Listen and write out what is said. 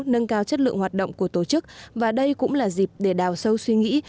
nâng cao chất lượng hoạt động của tổ chức và đây cũng là dịp để đào sâu suy nghĩ